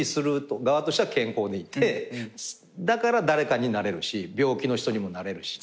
だから誰かになれるし病気の人にもなれるし。